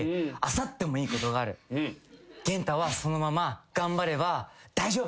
「元太はそのまま頑張れば大丈夫」